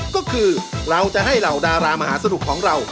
ก็คือเราจะให้เหล่าดารามหาสนุกของเรา